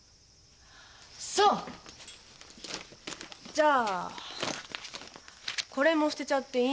じゃあこれも捨てちゃっていいんだ。